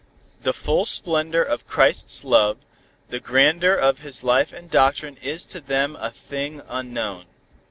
"The full splendor of Christ's love, the grandeur of His life and doctrine is to them a thing unknown.